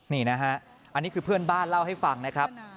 นี่นะครับอันนี้ครับพี่บ้านเล่าให้ฟังนะครับ